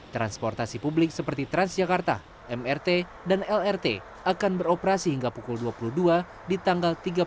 transportasi publik seperti transjakarta mrt dan lrt akan beroperasi hingga pukul dua puluh dua di tanggal tiga puluh